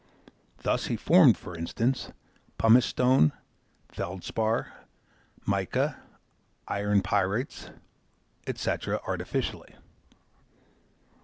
Thus he formed, for instance, pumice stone, feldspar, mica, iron pyrites, &c. artificially.